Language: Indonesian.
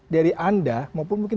dari anda maupun mungkin